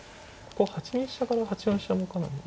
８二飛車から８四飛車もかなり。